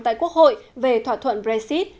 tại quốc hội về thỏa thuận brexit